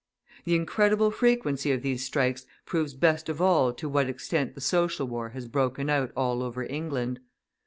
The incredible frequency of these strikes proves best of all to what extent the social war has broken out all over England.